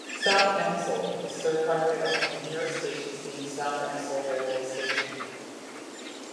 South Elmsall is served by rail, the nearest stations being South Elmsall railway station.